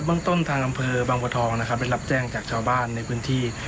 เบื้องต้นทางอำเภอบางประทองเป็นรับแจ้งจากชาวบ้านในพื้นที่